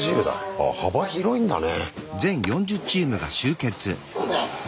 ああ幅広いんだね。